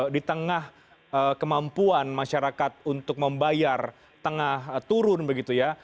di tengah kemampuan masyarakat untuk membayar tengah turun begitu ya